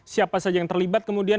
siapa saja yang terlibat kemudian